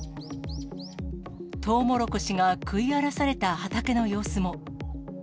トウモロコシが食い荒らされた畑の様子も。